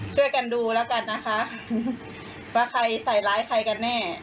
ช่วยกันดูแล้วกันนะคะว่าใครใส่ร้ายใครกันแน่